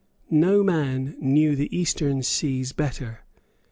No man knew the Eastern seas better.